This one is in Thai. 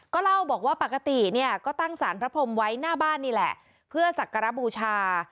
ก็เล่าบอกว่าปกติเนี่ยก็ตั้งสารพระพรมไว้หน้าบ้านนี่แหละเพื่อสักการบูชา